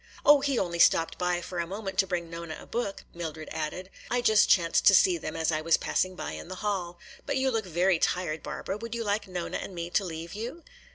"Oh, he only stopped by for a moment to bring Nona a book," Mildred added. "I just chanced to see them as I was passing by in the hall. But you look very tired, Barbara. Would you like Nona and me to leave you?